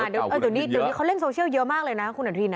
เดี๋ยวนี้เขาเล่นโซเชียลเยอะมากเลยนะคุณอนุทิน